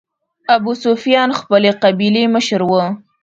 ابوسفیان خپلې قبیلې مشر و.